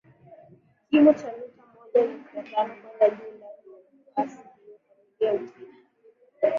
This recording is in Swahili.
kimo cha mita moja nukta tano kwenda juu Ndani ya nafasi hiyo familia hupika